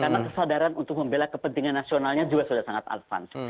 karena kesadaran untuk membela kepentingan nasionalnya juga sudah sangat advance